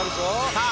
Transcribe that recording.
さあ